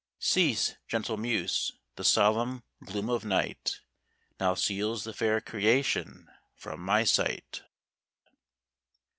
Cease, gentle muse! the solemn gloom of night Now seals the fair creation from my sight.